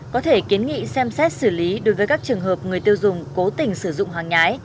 có thể kiến nghị xem xét xử lý đối với các trường hợp người tiêu dùng cố tình sử dụng hàng nhái